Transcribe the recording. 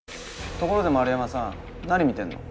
ところで円山さん何見てんの？